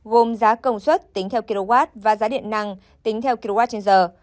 gồm giá công suất tính theo kwh và giá điện năng tính theo kwh trên giờ